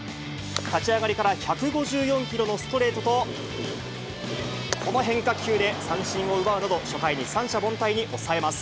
立ち上がりから１５４キロのストレートと、この変化球で三振を奪うなど、初回を三者凡退に抑えます。